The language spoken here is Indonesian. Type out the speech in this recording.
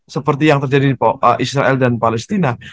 seperti yang terjadi di israel dan palestina